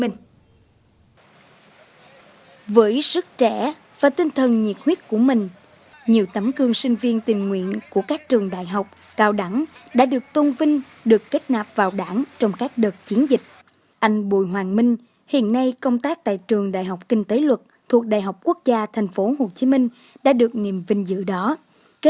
hãy đăng ký kênh để ủng hộ kênh của mình nhé